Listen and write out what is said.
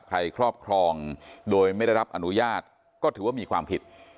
ครอบครองโดยไม่ได้รับอนุญาตก็ถือว่ามีความผิด